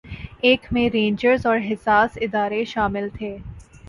ایک میں رینجرز اور حساس ادارے شامل تھے